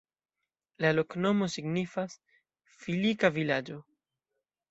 La loknomo signifas: filika-vilaĝo.